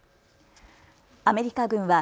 アメリカ軍は